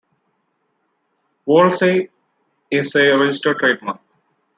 'Wolsey' is a registered trademark.